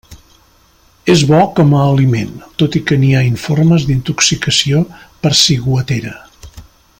És bo com a aliment, tot i que n'hi ha informes d'intoxicació per ciguatera.